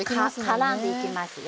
ねからんでいきますよ